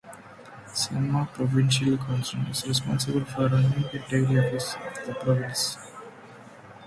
Sanma provincial council is responsible for running the daily affairs of the province.